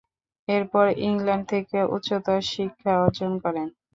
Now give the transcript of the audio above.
এরপর ইংল্যান্ড থেকে উচ্চতর শিক্ষা অর্জন করেন।